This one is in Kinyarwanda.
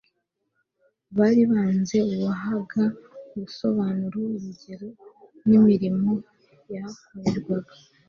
bari banze uwahaga ubusobanuro urusengero n'imirimo yahakorerwaga.